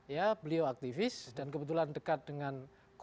ya beliau aktivis dan kebetulan dekat dengan